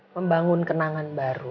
membangun kenangan baru